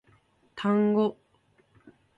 単語